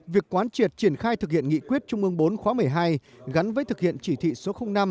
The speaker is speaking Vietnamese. việc quán triệt triển khai thực hiện nghị quyết trung ương bốn khóa một mươi hai gắn với thực hiện chỉ thị số năm